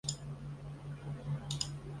徐擎出道于武汉光谷俱乐部。